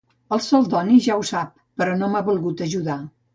El Celdoni ja ho sap, però no m'ha volgut ajudar.